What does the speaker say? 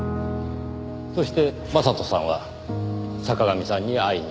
そして将人さんは坂上さんに会いに行った。